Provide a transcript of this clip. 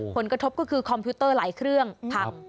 ผลกระทบก็คือคอมพิวเตอร์หลายเครื่องพัง